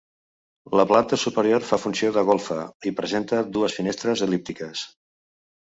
La planta superior fa funció de golfa i presenta dues finestres el·líptiques.